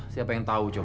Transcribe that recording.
siapa yang tahu coba